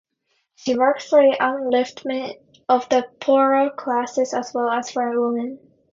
She worked for the upliftment of the poorer classes as well as for women.